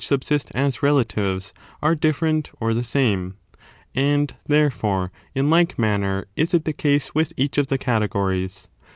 subsist as relatives, are different or the same? and, therefore, in like manner is it the case with each of the categories.